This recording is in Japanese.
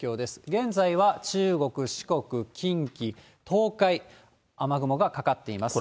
現在は中国、四国、近畿、東海、雨雲がかかっています。